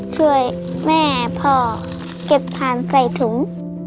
ช่วยแม่พ่อเก็บทานใส่ถุง